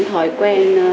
thói quen sinh hoạt